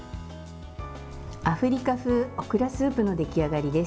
アフリカ風オクラスープの出来上がりです。